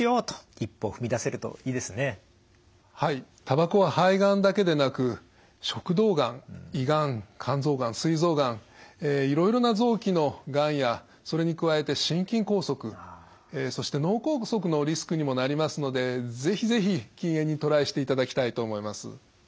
たばこは肺がんだけでなく食道がん胃がん肝臓がんすい臓がんいろいろな臓器のがんやそれに加えて心筋梗塞そして脳梗塞のリスクにもなりますので是非是非禁煙にトライしていただきたいと思います。